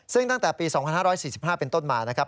ซึ่งตั้งแต่ปี๒๕๔๕เป็นต้นมานะครับ